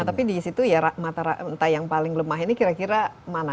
tapi di situ ya mata rantai yang paling lemah ini kira kira mana